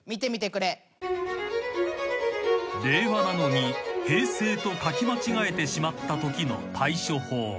［令和なのに「平成」と書き間違えてしまった場合］